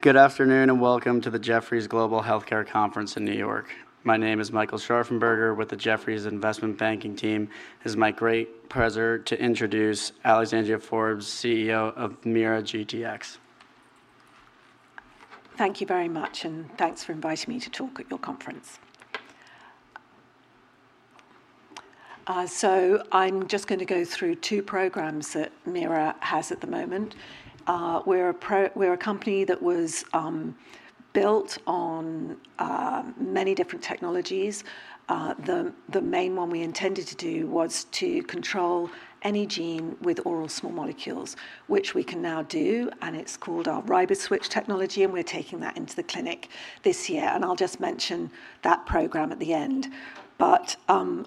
Good afternoon, welcome to the Jefferies Global Healthcare Conference in New York. My name is Michael Scharfenberger with the Jefferies Investment Banking team. It is my great pleasure to introduce Alexandria Forbes, CEO of MeiraGTx. Thank you very much. Thanks for inviting me to talk at your conference. I'm just going to go through two programs that Meira has at the moment. We're a company that was built on many different technologies. The main one we intended to do was to control any gene with oral small molecules, which we can now do. It's called our RiboSwitch technology; we're taking that into the clinic this year. I'll just mention that program at the end.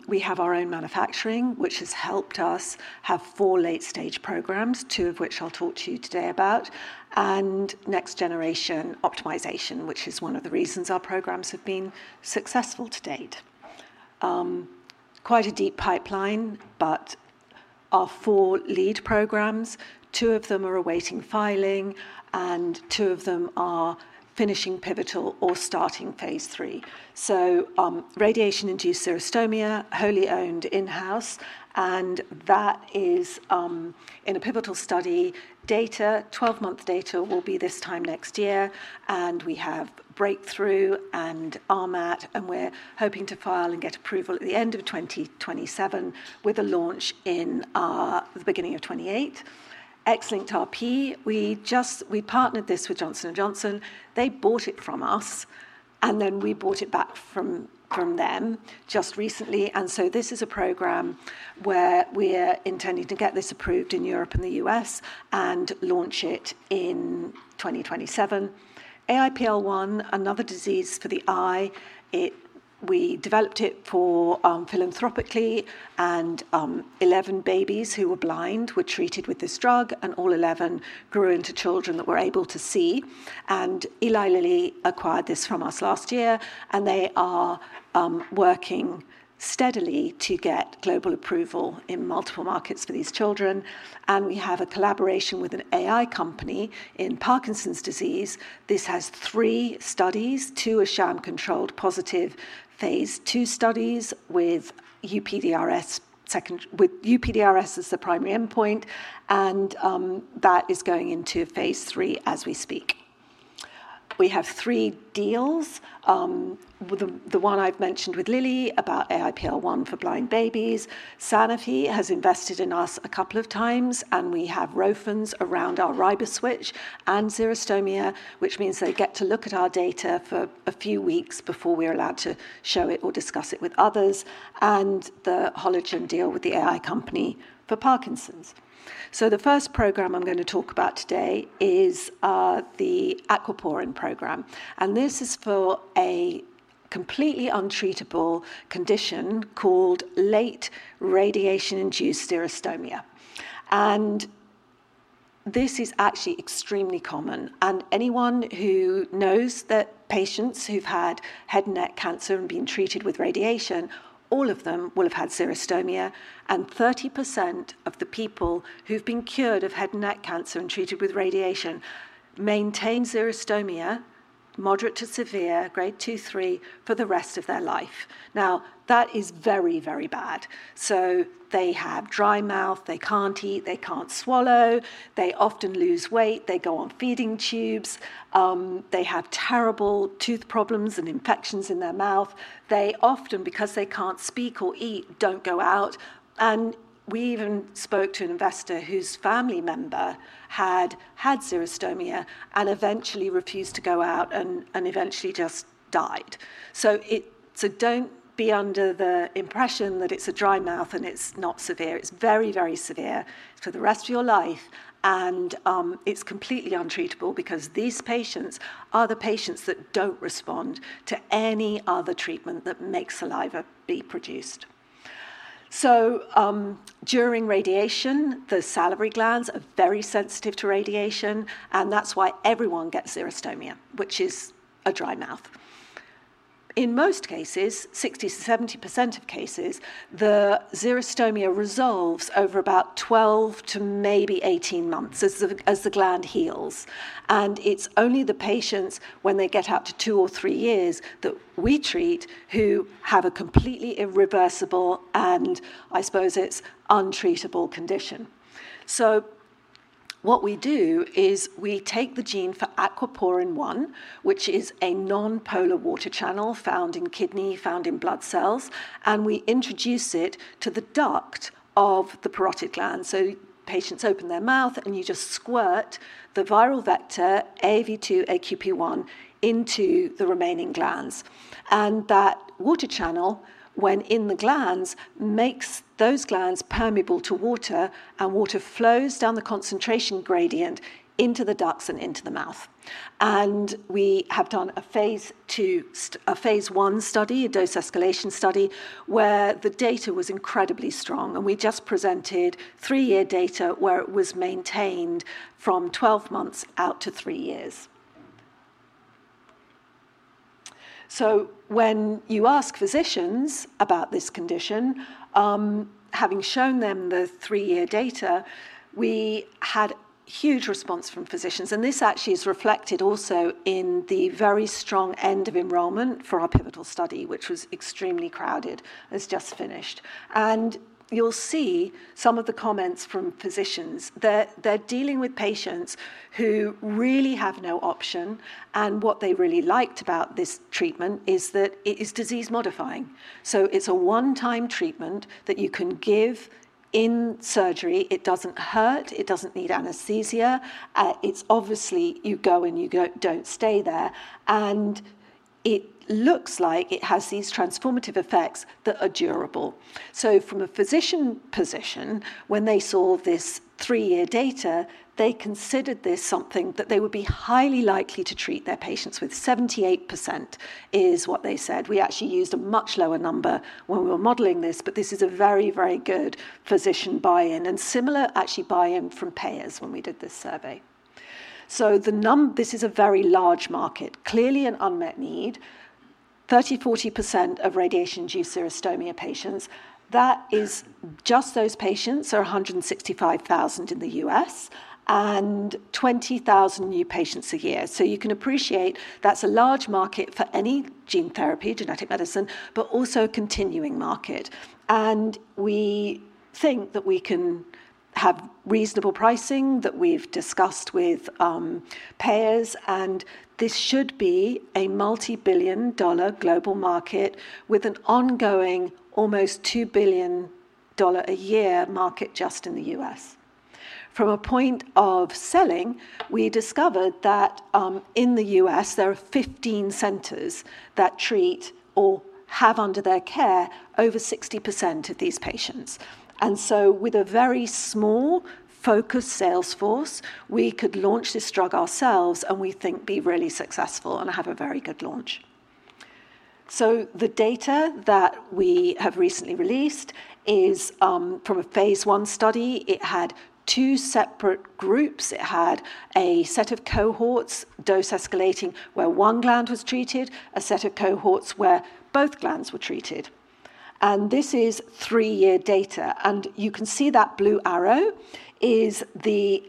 We have our own manufacturing, which has helped us have four late-stage programs, two of which I'll talk to you today about, next generation optimization, which is one of the reasons our programs have been successful to date. Quite a deep pipeline, but our four lead programs, two of them are awaiting filing, two of them are finishing pivotal or starting phase III. Radiation-induced xerostomia, wholly owned in-house, and that is in a pivotal study. 12-month data will be this time next year, and we have Breakthrough Therapy Designation and RMAT, and we're hoping to file and get approval at the end of 2027 with a launch in the beginning of 2028. X-linked RP, we partnered this with Johnson & Johnson. They bought it from us, and then we bought it back from them just recently. This is a program where we're intending to get this approved in Europe and the U.S. and launch it in 2027. AIPL1, another disease for the eye. We developed it philanthropically, and 11 babies who were blind were treated with this drug, and all 11 grew into children that were able to see. Eli Lilly acquired this from us last year, and they are working steadily to get global approval in multiple markets for these children. We have a collaboration with an AI company in Parkinson's disease. This has three studies. Two are sham-controlled positive phase II studies with UPDRS as the primary endpoint, and that is going into phase III as we speak. We have three deals. The one I've mentioned with Lilly about AIPL1 for blind babies. Sanofi has invested in us a couple of times, and we have ROFRs around our riboswitch and xerostomia, which means they get to look at our data for a few weeks before we're allowed to show it or discuss it with others, and the Hologen deal with the AI company for Parkinson's. The first program I'm going to talk about today is the aquaporin program, and this is for a completely untreatable condition called late radiation-induced xerostomia. This is actually extremely common. Anyone who knows that patients who've had head and neck cancer and been treated with radiation, all of them will have had xerostomia, and 30% of the people who've been cured of head and neck cancer and treated with radiation maintain xerostomia, moderate to severe, Grade 2, Grade 3, for the rest of their life. That is very bad. They have dry mouth. They can't eat. They can't swallow. They often lose weight. They go on feeding tubes. They have terrible tooth problems and infections in their mouth. They often, because they can't speak or eat, don't go out. We even spoke to an investor whose family member had xerostomia and eventually refused to go out, and eventually just died. Don't be under the impression that it's a dry mouth, and it's not severe. It's very severe. It's for the rest of your life, and it's completely untreatable because these patients are the patients that don't respond to any other treatment that makes saliva be produced. During radiation, the salivary glands are very sensitive to radiation, and that's why everyone gets xerostomia, which is a dry mouth. In most cases, 60%-70% of cases, the xerostomia resolves over about 12 to maybe 18 months as the gland heals. It's only the patients when they get out to two or three years that we treat who have a completely irreversible, and I suppose it's untreatable condition. What we do is we take the gene for aquaporin-1, which is a non-polar water channel found in kidney, found in blood cells, and we introduce it to the duct of the parotid gland. Patients open their mouth, and you just squirt the viral vector AAV2-hAQP1 into the remaining glands. That water channel, when in the glands, makes those glands permeable to water, and water flows down the concentration gradient into the ducts and into the mouth. We have done a phase I study, a dose escalation study, where the data was incredibly strong. We just presented three-year data where it was maintained from 12 months out to three years. When you ask physicians about this condition, having shown them the three-year data, we had huge response from physicians, and this actually is reflected also in the very strong end of enrollment for our pivotal study, which was extremely crowded, has just finished. You'll see some of the comments from physicians. They're dealing with patients who really have no option, and what they really liked about this treatment is that it is disease-modifying. It's a one-time treatment that you can give in surgery. It doesn't hurt. It doesn't need anesthesia. It's obviously you go, and you don't stay there, and it looks like it has these transformative effects that are durable. From a physician position, when they saw this three-year data, they considered this something that they would be highly likely to treat their patients with. 78% is what they said. We actually used a much lower number when we were modeling this, but this is a very, very good physician buy-in and similar actually buy-in from payers when we did this survey. This is a very large market, clearly an unmet need. 30%, 40% of radiation-induced xerostomia patients. That is just those patients are 165,000 in the U.S. and 20,000 new patients a year. You can appreciate that's a large market for any gene therapy, genetic medicine, but also a continuing market. We think that we can have reasonable pricing that we've discussed with payers. This should be a multi-billion dollar global market with an ongoing, almost $2 billion a year market just in the U.S. From a point of selling, we discovered that in the U.S., there are 15 centers that treat or have under their care over 60% of these patients. With a very small focused sales force, we could launch this drug ourselves. We think be really successful and have a very good launch. The data that we have recently released is from a phase I study. It had two separate groups. It had a set of cohorts, dose escalating, where one gland was treated, a set of cohorts where both glands were treated. This is three-year data. You can see that blue arrow is the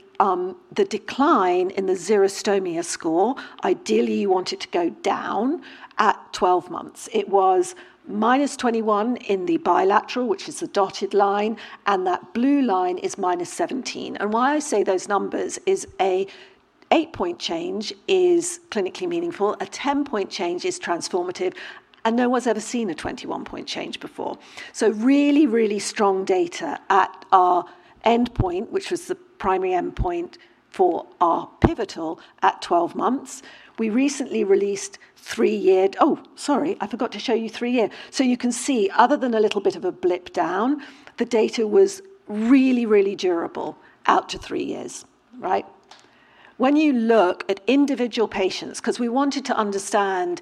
decline in the xerostomia score. Ideally, you want it to go down at 12 months. It was -21 points in the bilateral, which is the dotted line, and that blue line is -17 points. Why I say those numbers is a eight-point change is clinically meaningful, a 10-point change is transformative, and no one's ever seen a 21-point change before. Really, really strong data at our endpoint, which was the primary endpoint for our pivotal at 12 months. We recently released. Oh, sorry, I forgot to show you three-year. You can see other than a little bit of a blip down, the data was really, really durable out to three years. Right? When you look at individual patients, because we wanted to understand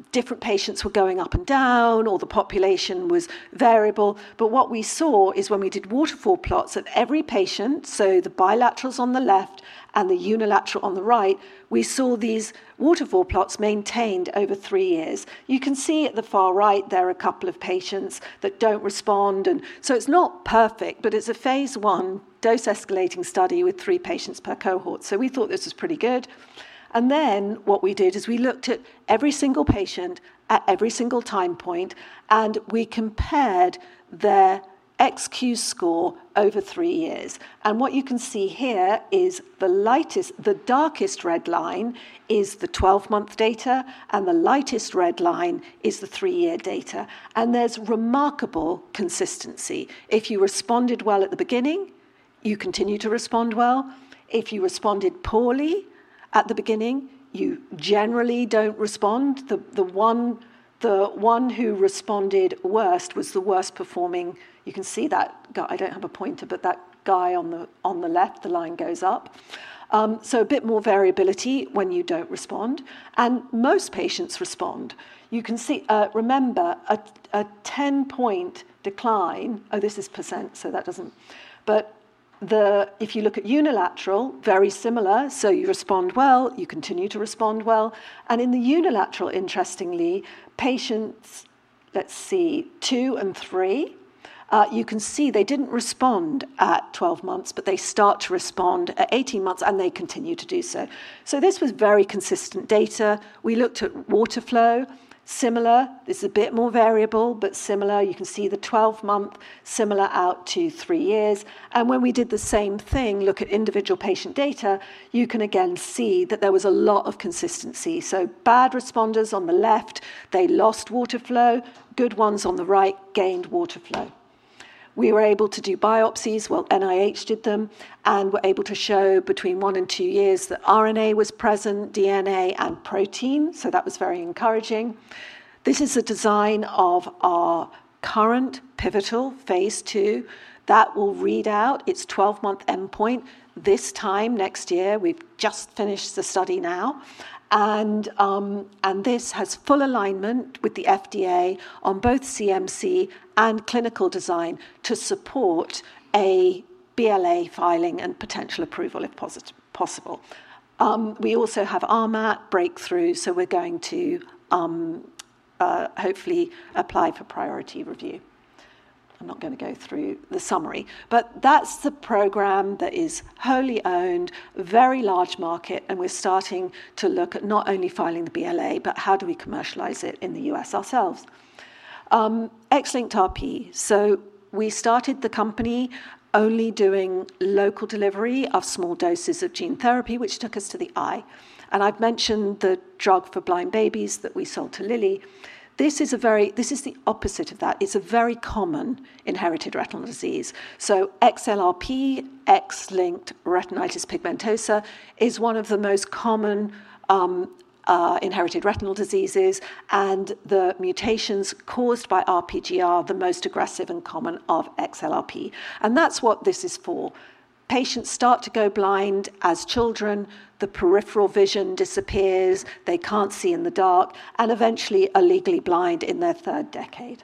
if different patients were going up and down or the population was variable. What we saw is when we did waterfall plots of every patient, so the bilaterals on the left and the unilateral on the right, we saw these waterfall plots maintained over three years. You can see at the far right, there are a couple of patients that don't respond. It's not perfect, but it's a phase I dose-escalating study with three patients per cohort. We thought this was pretty good. What we did is we looked at every single patient at every single time point, and we compared their XQ score over three years. What you can see here is the darkest red line is the 12-month data, and the lightest red line is the three-year data. There's remarkable consistency. If you responded well at the beginning, you continue to respond well. If you responded poorly at the beginning, you generally don't respond. The one who responded worst was the worst performing. You can see that guy. I don't have a pointer, that guy on the left, the line goes up. A bit more variability when you don't respond, and most patients respond. Remember a 10-point decline. If you look at unilateral, very similar. You respond well, you continue to respond well. In the unilateral, interestingly, patients, let's see, two and three, you can see they didn't respond at 12 months, they start to respond at 18 months, and they continue to do so. This was very consistent data. We looked at water flow, similar. This is a bit more variable, similar. You can see the 12-month similar out to three years. When we did the same thing, look at individual patient data, you can again see that there was a lot of consistency. Bad responders on the left, they lost water flow. Good ones on the right gained water flow. We were able to do biopsies, well, NIH did them, and were able to show between one and two years that RNA was present, DNA, and protein. That was very encouraging. This is a design of our current pivotal phase II that will read out its 12-month endpoint this time next year. We've just finished the study now. This has full alignment with the FDA on both CMC and clinical design to support a BLA filing and potential approval if possible. We also have RMAT, Breakthrough Therapy Designation. We're going to hopefully apply for priority review. I'm not going to go through the summary. That's the program that is wholly owned, very large market, and we're starting to look at not only filing the BLA, but how do we commercialize it in the U.S. ourselves. X-linked RP. We started the company only doing local delivery of small doses of gene therapy, which took us to the eye. I've mentioned the drug for blind babies that we sold to Lilly. This is the opposite of that. It's a very common inherited retinal disease. XLRP, X-linked retinitis pigmentosa, is one of the most common inherited retinal diseases, and the mutations caused by RPGR, the most aggressive and common of XLRP. That's what this is for. Patients start to go blind as children. The peripheral vision disappears. They can't see in the dark and eventually are legally blind in their third decade.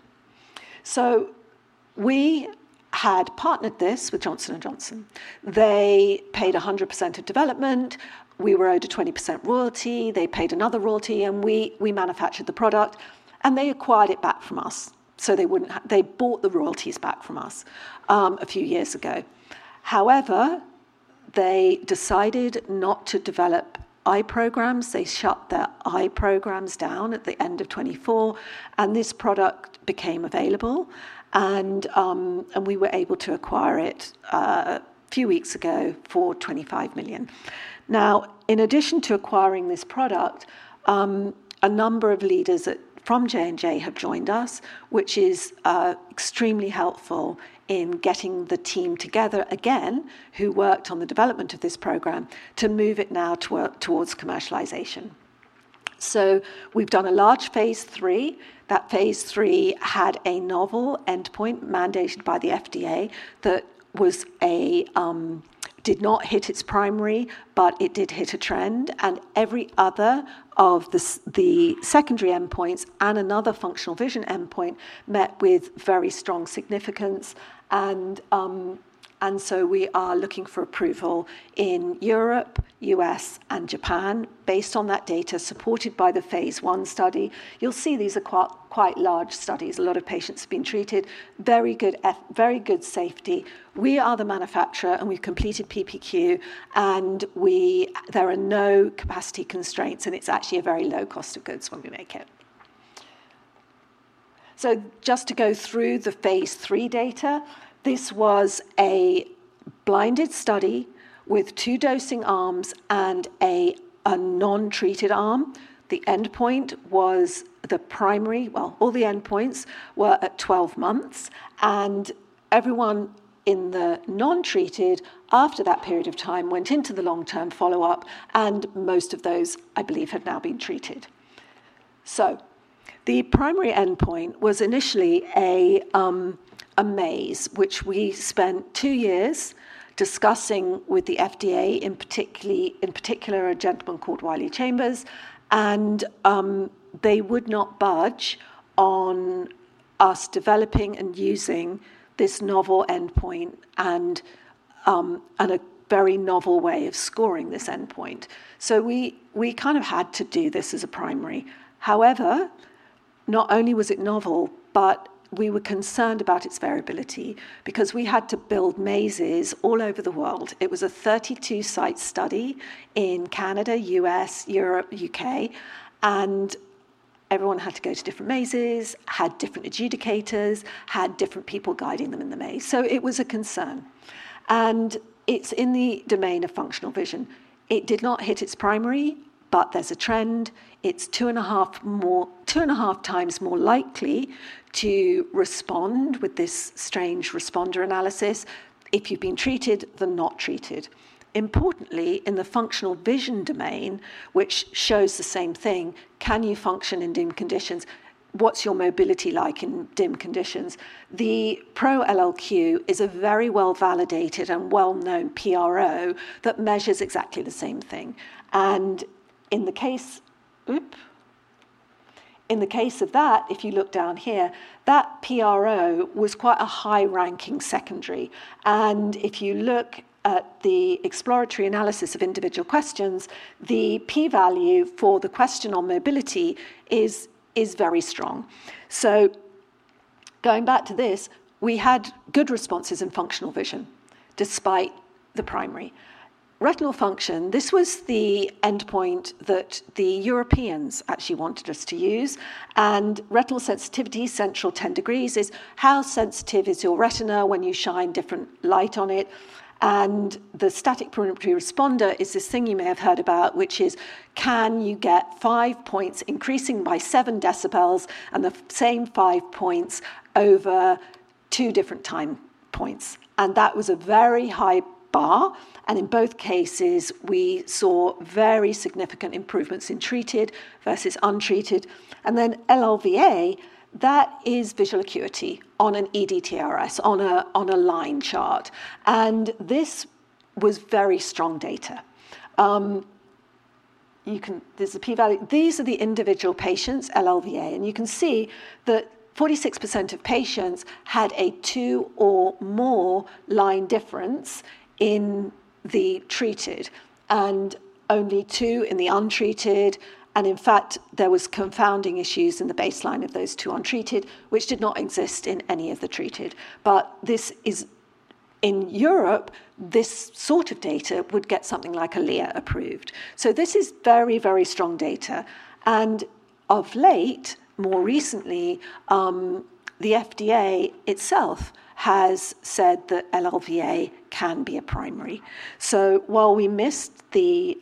We had partnered this with Johnson & Johnson. They paid 100% of development. We were owed a 20% royalty. They paid another royalty, and we manufactured the product, and they acquired it back from us. They bought the royalties back from us a few years ago. However, they decided not to develop eye programs. They shut their eye programs down at the end of 2024, and this product became available, and we were able to acquire it a few weeks ago for $25 million. In addition to acquiring this product, a number of leaders from J&J have joined us, which is extremely helpful in getting the team together again who worked on the development of this program to move it now towards commercialization. We've done a large phase III. That phase III had a novel endpoint mandated by the FDA that did not hit its primary, it did hit a trend. Every other of the secondary endpoints and another functional vision endpoint met with very strong significance. We are looking for approval in Europe, U.S., and Japan based on that data supported by the phase I study. You'll see these are quite large studies. A lot of patients have been treated. Very good safety. We are the manufacturer, and we've completed PPQ, and there are no capacity constraints, and it's actually a very low cost of goods when we make it. Just to go through the phase III data, this was a blinded study with two dosing arms and a non-treated arm. The endpoint was the primary. Well, all the endpoints were at 12 months, and everyone in the non-treated after that period of time went into the long-term follow-up, and most of those, I believe, have now been treated. The primary endpoint was initially a maze, which we spent two years discussing with the FDA, in particular, a gentleman called Wiley Chambers. They would not budge on us developing and using this novel endpoint and a very novel way of scoring this endpoint. We kind of had to do this as a primary. However, not only was it novel, but we were concerned about its variability because we had to build mazes all over the world. It was a 32-site study in Canada, U.S., Europe, U.K., and everyone had to go to different mazes, had different adjudicators, had different people guiding them in the maze. It was a concern, and it's in the domain of functional vision. It did not hit its primary; there's a trend. It's 2.5x more likely to respond with this strange responder analysis if you've been treated than not treated. Importantly, in the functional vision domain, which shows the same thing, can you function in dim conditions? What's your mobility like in dim conditions? The LLQ PRO is a very well-validated and well-known PRO that measures exactly the same thing. In the case of that, if you look down here, that PRO was quite a high-ranking secondary. If you look at the exploratory analysis of individual questions, the P value for the question on mobility is very strong. Going back to this, we had good responses in functional vision despite the primary retinal function. This was the endpoint that the Europeans actually wanted us to use. Retinal sensitivity, central 10 degrees, is how sensitive is your retina when you shine different light on it, and the static perimetry responder is this thing you may have heard about, which is, can you get five points increasing by 7 dB and the same five points over two different time points? That was a very high bar. In both cases, we saw very significant improvements in treated versus untreated. LLVA, that is visual acuity on an ETDRS, on a line chart. This was very strong data. There's a P value. These are the individual patients, LLVA, and you can see that 46% of patients had a two or more line difference in the treated and only two in the untreated. In fact, there was confounding issues in the baseline of those two untreated, which did not exist in any of the treated. In Europe, this sort of data would get something like Eylea approved. This is very, very strong data. Of late, more recently, the FDA itself has said that LLVA can be a primary. While we missed the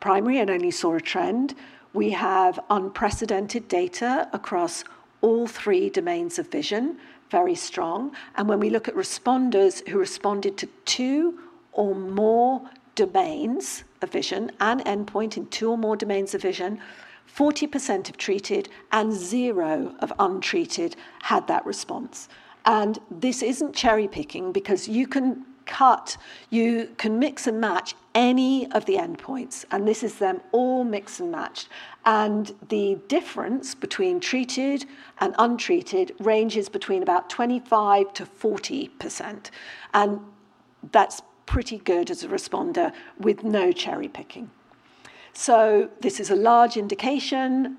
primary and only saw a trend, we have unprecedented data across all three domains of vision, very strong. When we look at responders who responded to two or more domains of vision, an endpoint in two or more domains of vision, 40% of treated and 0% of untreated had that response. This isn't cherry-picking because you can mix and match any of the endpoints, and this is them all mixed and matched. The difference between treated and untreated ranges between about 25%-40%, and that's pretty good as a responder with no cherry-picking. This is a large indication,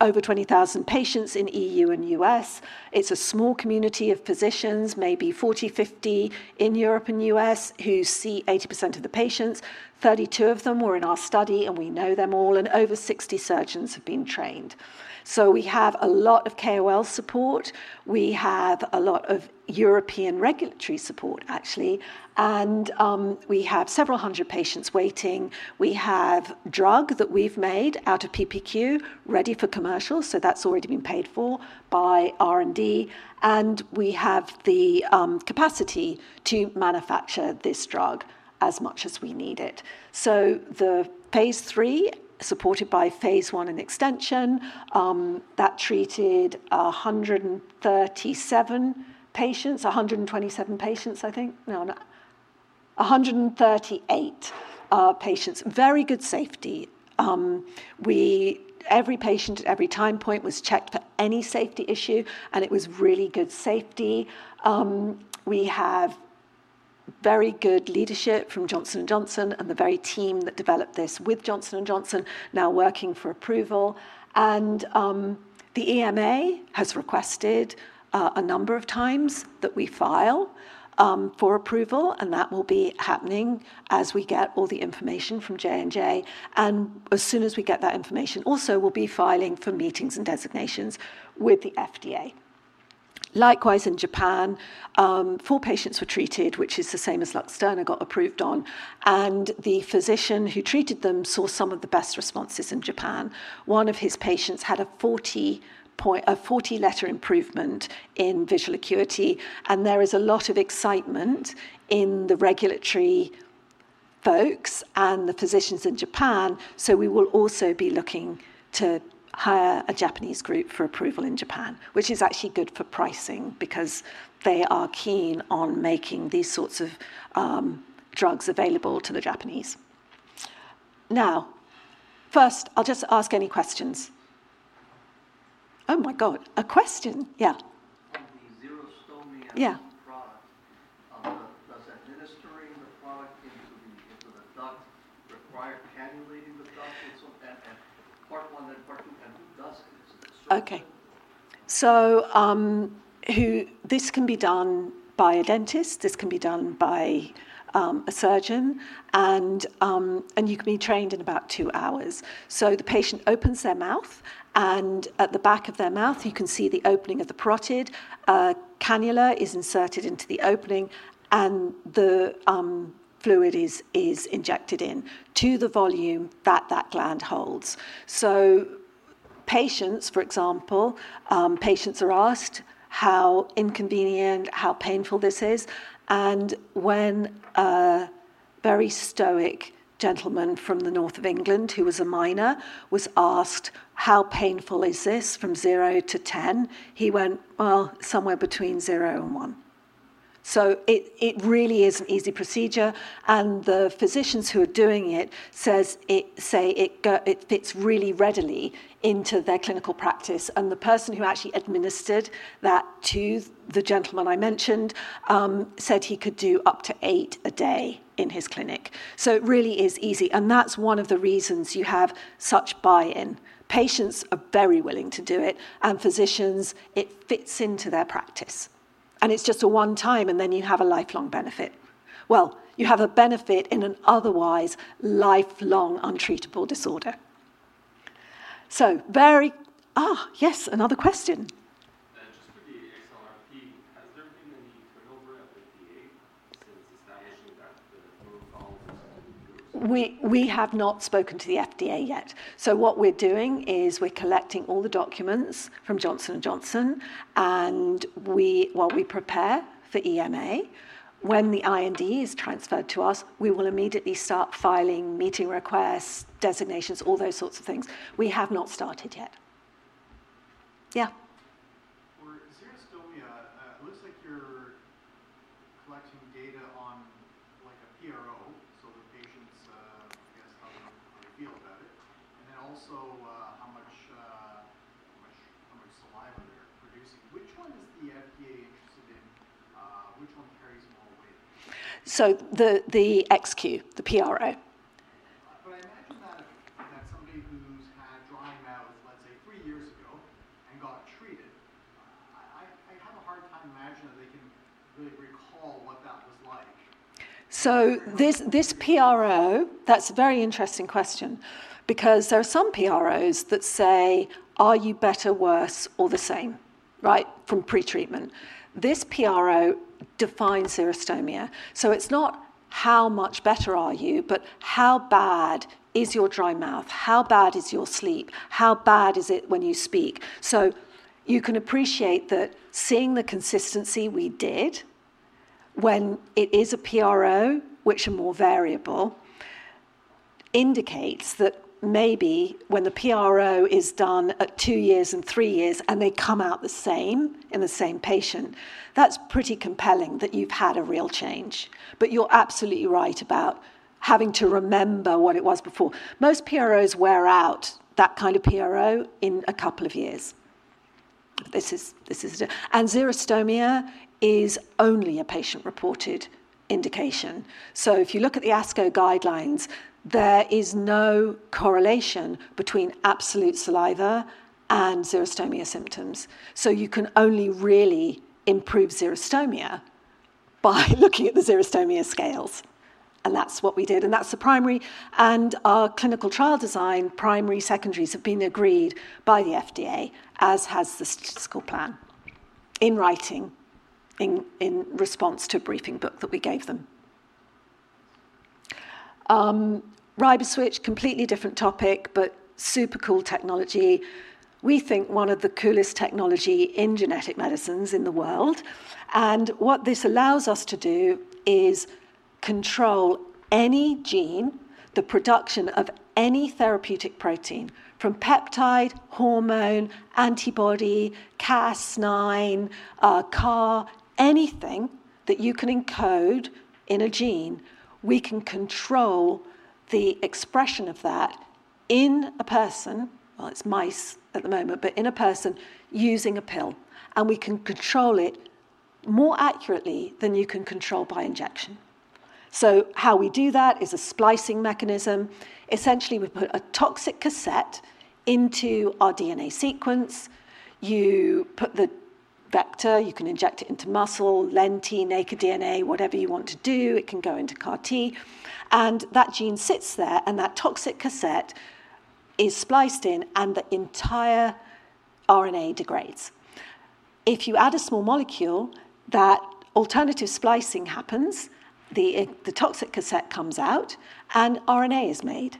over 20,000 patients in EU and U.S. It's a small community of physicians, maybe 40-50 in Europe and U.S., who see 80% of the patients. 32 of them were in our study, and we know them all, and over 60 surgeons have been trained. We have a lot of KOL support. We have a lot of European regulatory support, actually, and we have several hundred patients waiting. We have drug that we've made out of PPQ ready for commercial, so that's already been paid for by R&D. We have the capacity to manufacture this drug as much as we need it. The phase III, supported by phase I and extension, that treated 137 patients, 127 patients, I think. No, 138 patients. Very good safety. Every patient at every time point was checked for any safety issue, and it was really good safety. We have very good leadership from Johnson & Johnson and the very team that developed this with Johnson & Johnson, now working for approval. The EMA has requested a number of times that we file for approval, and that will be happening as we get all the information from J&J, and as soon as we get that information. Also, we'll be filing for meetings and designations with the FDA. Likewise, in Japan, four patients were treated, which is the same as Luxturna got approved on, and the physician who treated them saw some of the best responses in Japan. One of his patients had a 40-letter improvement in visual acuity. There is a lot of excitement in the regulatory folks and the physicians in Japan. We will also be looking to hire a Japanese group for approval in Japan, which is actually good for pricing because they are keen on making these sorts of drugs available to the Japanese. First, I'll just ask any questions. Oh my God, a question. Yeah. On the xerostomia product, does administering the product into the duct require cannulating the duct? Part one Okay. This can be done by a dentist. This can be done by a surgeon, and you can be trained in about two hours. The patient opens their mouth, and at the back of their mouth, you can see the opening of the parotid. A cannula is inserted into the opening, and the fluid is injected into the volume that, that gland holds. Patients, for example, patients are asked how inconvenient, how painful this is, and when a very stoic gentleman from the north of England who was a miner was asked, "How painful is this from 0-10?" He went, "Well, somewhere between zero and one." It really is an easy procedure, and the physicians who are doing it say it fits really readily into their clinical practice. The person who actually administered that to the gentleman I mentioned said he could do up to eight a day in his clinic. It really is easy, and that's one of the reasons you have such buy-in. Patients are very willing to do it, and physicians, it fits into their practice, and it's just a one-time, and then you have a lifelong benefit. Well, you have a benefit in an otherwise lifelong, untreatable disorder. Yes. Another question. Just for the XLRP, has there been any turnover at the FDA since the submission of the protocols? We have not spoken to the FDA yet. What we're doing is we're collecting all the documents from Johnson & Johnson, and while we prepare for EMA, when the IND is transferred to us, we will immediately start filing meeting requests, designations, all those sorts of things. We have not started yet. Yeah. For xerostomia, it looks like you're collecting data on, like, a PRO. The patients, I guess, how they feel about it. Also, how much saliva they're producing. Which one is the FDA interested in? Which one carries more weight? The XQ, the PRO. I imagine that somebody who's had drawing now, let's say three years ago, and got treated, I have a hard time imagining that they can really recall what that was like. That's a very interesting question, because there are some PROs that say, "Are you better, worse, or the same?" from pre-treatment. This PRO defines xerostomia. It's not how much better are you, but how bad is your dry mouth? How bad is your sleep? How bad is it when you speak? You can appreciate that seeing the consistency we did when it is a PRO, which are more variable, indicates that maybe when the PRO is done at two years and three years, and they come out the same in the same patient, that's pretty compelling that you've had a real change. You're absolutely right about having to remember what it was before. Most PROs wear out that kind of PRO in a couple of years. Xerostomia is only a patient-reported indication. If you look at the ASCO guidelines, there is no correlation between absolute saliva and xerostomia symptoms. You can only really improve xerostomia by looking at the xerostomia scales, and that's what we did. Our clinical trial design, primary secondaries have been agreed by the FDA, as has the statistical plan in writing in response to a briefing book that we gave them. Riboswitch, completely different topic, but super cool technology. We think one of the coolest technology in genetic medicine in the world. What this allows us to do is control any gene, the production of any therapeutic protein, from peptide, hormone, antibody, Cas9, CAR, anything that you can encode in a gene, we can control the expression of that in a person, well, it's mice at the moment, but in a person using a pill. We can control it more accurately than you can control by injection. How we do that is a splicing mechanism. Essentially, we put a toxic cassette into our DNA sequence. You put the vector, you can inject it into muscle, lentiviral, naked DNA, whatever you want to do, it can go into CAR T, and that gene sits there, and that toxic cassette is spliced in, and the entire RNA degrades. If you add a small molecule, that alternative splicing happens, the toxic cassette comes out, and RNA is made.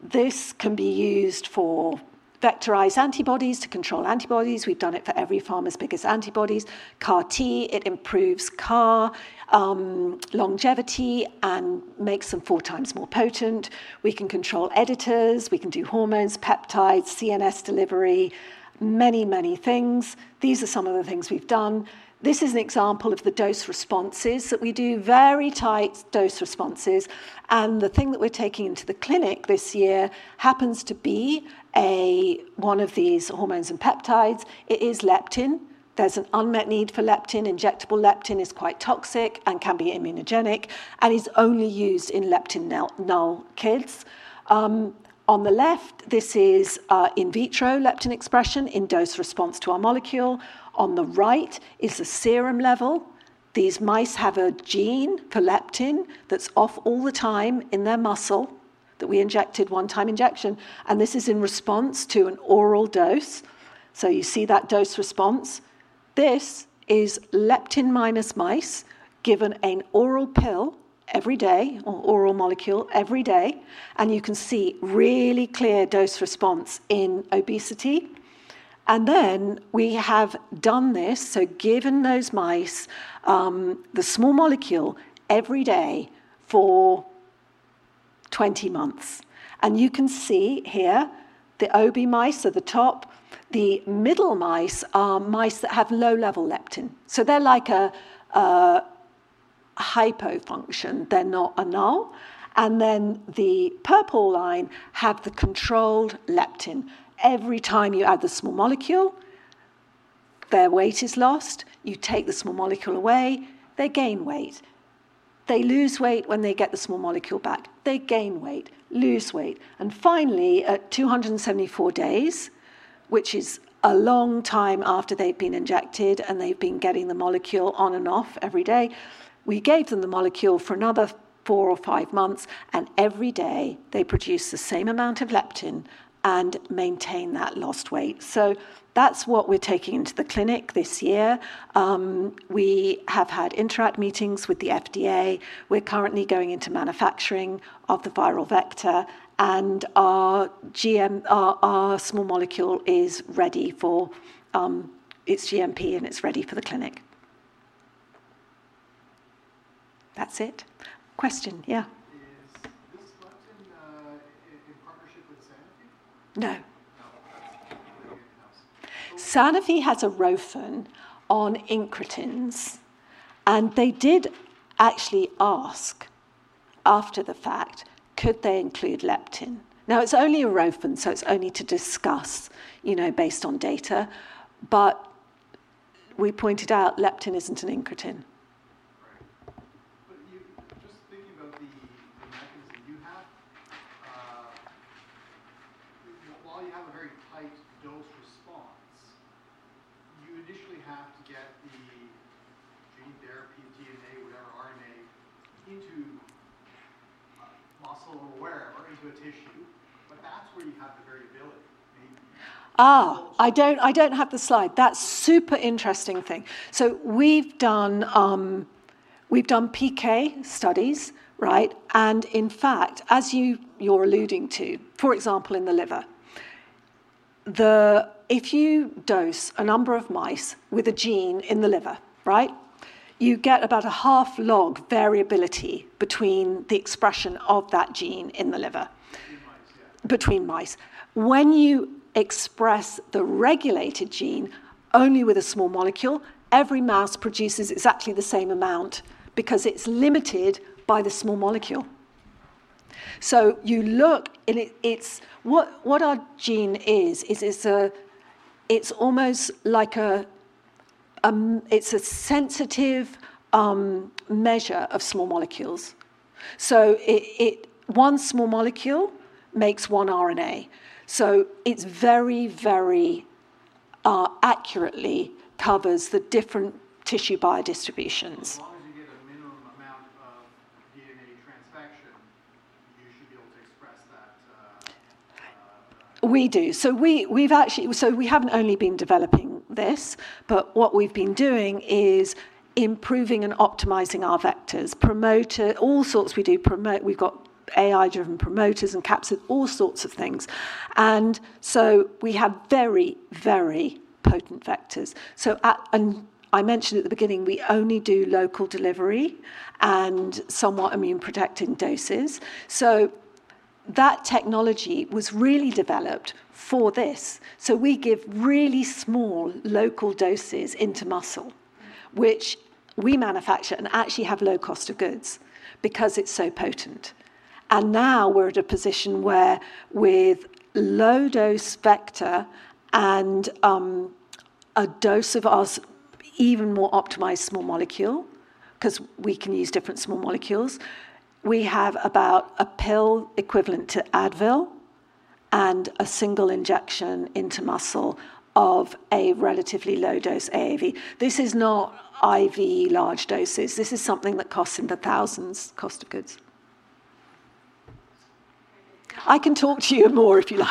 This can be used for vectorized antibodies to control antibodies. We've done it for every pharma's biggest antibodies. CAR T, it improves CAR longevity and makes them 4x more potent. We can control editors, we can do hormones, peptides, CNS delivery, many things. These are some of the things we've done. This is an example of the dose responses that we do very tight dose responses. The thing that we're taking into the clinic this year happens to be one of these hormones and peptides. It is leptin. There's an unmet need for leptin. Injectable leptin is quite toxic and can be immunogenic, and is only used in leptin null kids. On the left, this is in vitro leptin expression in dose response to our molecule. On the right is the serum level. These mice have a gene for leptin that's off all the time in their muscle that we injected one-time injection, and this is in response to an oral dose. You see that dose response. This is leptin minus mice given an oral pill every day or oral molecule every day, and you can see really clear dose response in obesity. We have done this, given those mice the small molecule every day for 20 months. You can see here the ob mice are the top. The middle mice are mice that have low level leptin, so they're like a hypofunction. They're not a null. The purple line have the controlled leptin. Every time you add the small molecule, their weight is lost. You take the small molecule away, they gain weight. They lose weight when they get the small molecule back. They gain weight, lose weight. Finally, at 274 days, which is a long time after they've been injected and they've been getting the molecule on and off every day, we gave them the molecule for another four or five months, and every day they produce the same amount of leptin and maintain that lost weight. That's what we're taking into the clinic this year. We have had INTERACT meetings with the FDA. We're currently going into manufacturing of the viral vector, and our small molecule is ready for its GMP and it's ready for the clinic. That's it. Question? Yeah. Is this leptin in partnership with Sanofi? No. No. Okay. Sanofi has a ROFR on incretins. They did actually ask after the fact, could they include leptin? Now it's only a ROFR. It's only to discuss based on data. We pointed out leptin isn't an incretin. Just thinking about the mechanism you have. While you have a very tight dose response, you initially have to get the gene therapy, DNA, whatever, RNA, into muscle or wherever into a tissue, but that's where you have the variability? I don't have the slide. That's super interesting thing. We've done PK studies, right? In fact, as you're alluding to, for example, in the liver, if you dose a number of mice with a gene in the liver, right, you get about a half-log variability between the expression of that gene in the liver. Between mice, yeah between mice. When you express the regulated gene only with a small molecule, every mouse produces exactly the same amount because it's limited by the small molecule. You look, and what our gene is, it's a sensitive measure of small molecules. One small molecule makes one RNA. It very, very accurately covers the different tissue biodistributions. As long as you get a minimum amount of DNA transfection, you should be able to express that RNA. We do. We haven't only been developing this, but what we've been doing is improving and optimizing our vectors, promoter, we've got AI-driven promoters and capsid, all sorts of things. We have very, very potent vectors. I mentioned at the beginning, we only do local delivery and somewhat immune-protected doses. That technology was really developed for this. We give really small local doses into muscle, which we manufacture and actually have low cost of goods because it's so potent. Now, we're at a position where with low dose vector and a dose of our even more optimized small molecule, because we can use different small molecules, we have about a pill equivalent to Advil and a single injection into muscle of a relatively low dose AAV. This is not IV large doses. This is something that costs in the thousands of dollars cost of goods. I can talk to you more if you like.